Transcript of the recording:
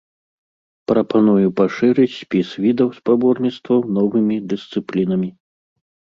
Прапаную пашырыць спіс відаў спаборніцтваў новымі дысцыплінамі.